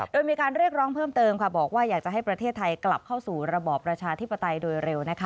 โดยมีการเรียกร้องเพิ่มเติมบอกว่าอยากจะให้ประเทศไทยกลับเข้าสู่ระบอบประชาธิปไตยโดยเร็ว